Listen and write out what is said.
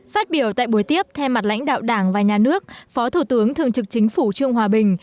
phát biểu tại buổi tiếp theo mặt lãnh đạo đảng và nhà nước phó thủ tướng thường trực chính phủ trương hòa bình